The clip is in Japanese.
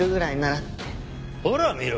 ほら見ろ！